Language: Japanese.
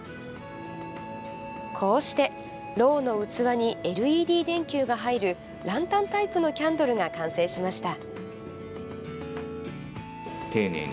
こうしてろうの器にＬＥＤ電球が入るランタンタイプのキャンドルが完成しました。